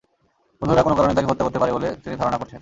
বন্ধুরা কোনো কারণে তাকে হত্যা করতে পারে বলে তিনি ধারণা করছেন।